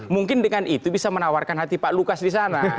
mungkin dengan itu bisa menawarkan hati pak lukas di sana